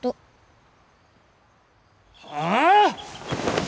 はあ！？